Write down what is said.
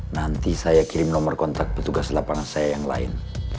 nanti saya kirim nomor kontak petugas lapangan saya yang lain